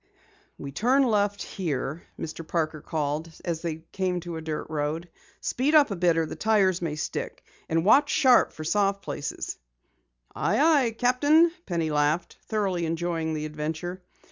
"We turn left here," Mr. Parker called as they came to a dirt road. "Speed up a bit or the tires may stick. And watch sharp for soft places." "Aye, aye, captain," Penny laughed, thoroughly enjoying the adventure.